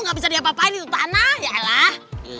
ga bisa diapa apain itu tanah ya elah